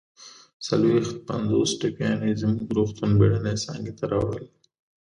څلويښت پنځوس ټپیان يې زموږ د روغتون بېړنۍ څانګې ته راوړل